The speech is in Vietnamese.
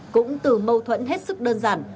cũng từ mâu thuẫn hết sức đơn giản